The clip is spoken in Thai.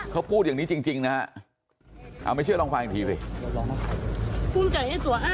เขาพูดอย่างนี้จริงนะฮะไม่เชื่อลองฟังอีกทีสิ